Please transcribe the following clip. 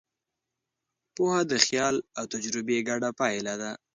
پوهه د خیال او تجربې ګډه پایله ده.